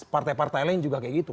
partai partai lain juga kayak gitu